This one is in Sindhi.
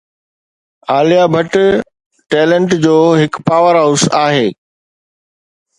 عاليا ڀٽ ٽيلنٽ جو هڪ پاور هائوس آهي